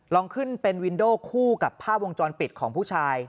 ลองขึ้นเป็นวินโดคู่กับภาพวงจรปิดของผู้ชาย